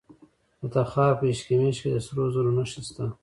د تخار په اشکمش کې د سرو زرو نښې شته.